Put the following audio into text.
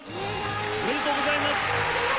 おめでとうございます！